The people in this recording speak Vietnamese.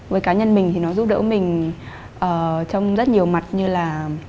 với cá nhân mình thì nó giúp đỡ mình trong rất nhiều mặt như là